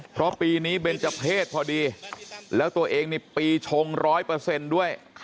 เพราะปีนี้เบนเจ้าเพศพอดีแล้วตัวเองมีปีชง๑๐๐ด้วย